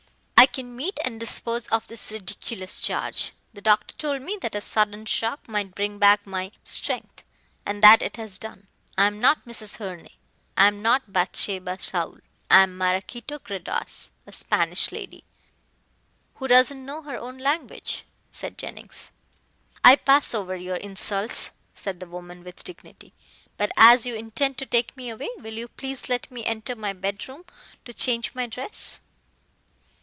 "I can meet and dispose of this ridiculous charge. The doctor told me that a sudden shock might bring back my strength. And that it has done. I am not Mrs. Herne I am not Bathsheba Saul. I am Maraquito Gredos, a Spanish lady " "Who doesn't know her own language," said Jennings. "I pass over your insults," said the woman with dignity. "But as you intend to take me away, will you please let me enter my bedroom to change my dress?"